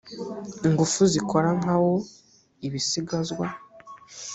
ingufu zikora nka wo ibisigazwa